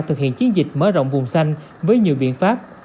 thực hiện chiến dịch mở rộng vùng xanh với nhiều biện pháp